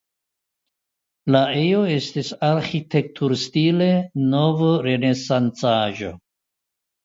La ejo estas arĥitekturstile novrenesancaĵo.